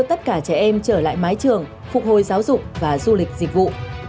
hướng thứ tám là hướng dịch vụ